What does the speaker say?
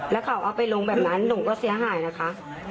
แล้วเขาเอาไปลงแบบนั้นหนูก็เสียหายนะคะ